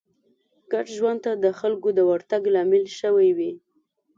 ګډ ژوند ته د خلکو د ورتګ لامل شوې وي